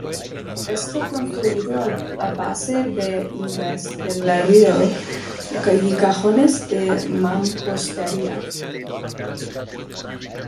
Está construido a base de hiladas de ladrillo y cajones de mampostería.